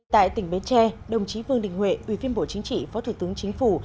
tại tỉnh bến tre đồng chí vương đình huệ ủy viên bộ chính trị phó thủ tướng chính phủ